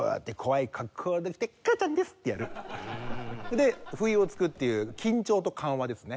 で不意を突くっていう緊張と緩和ですね。